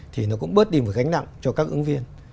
thì nó cũng bớt đi một gánh nặng cho các ứng viên